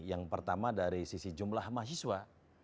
yang pertama dari sisi jumlah mahasiswa